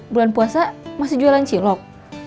bulan puasa masih jualan cilok